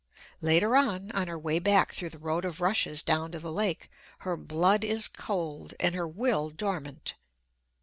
Later on, on her way back through the road of rushes down to the lake, her blood is cold and her will dormant.